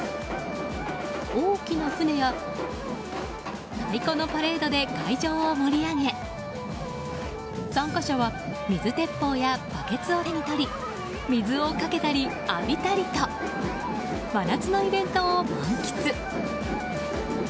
大きな船や太鼓のパレードで会場を盛り上げ参加者は水鉄砲やバケツを手に取り水をかけたり浴びたりと真夏のイベントを満喫。